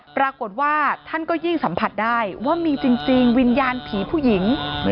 ปรากฏว่าท่านก็ยิ่งสัมผัสได้ว่ามีจริงวิญญาณผีผู้หญิง